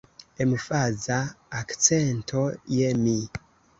Emfaza akcento je mi.